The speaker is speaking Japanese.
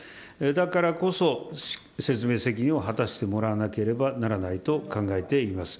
だからこそ、説明責任を果たしてもらわなければならないと考えております。